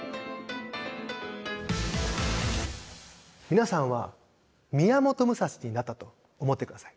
皆さんは宮本武蔵になったと思って下さい。